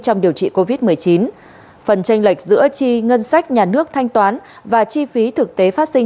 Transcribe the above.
trong điều trị covid một mươi chín phần tranh lệch giữa chi ngân sách nhà nước thanh toán và chi phí thực tế phát sinh